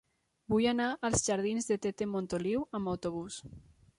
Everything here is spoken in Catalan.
Vull anar als jardins de Tete Montoliu amb autobús.